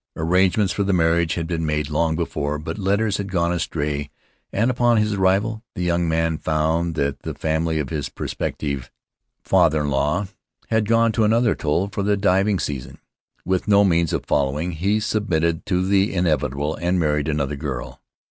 Arrange ments for the marriage had been made long before, but letters had gone astray, and upon his arrival the young man found that the family of his prospective father in law had gone to another atoll for the diving season. With no means of following, he submitted to the inevitable, and married another girl.